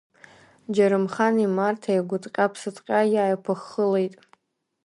Џьарымхани Марҭеи гәыҭҟьа-ԥсыҭҟьаха иааиԥыххылеит.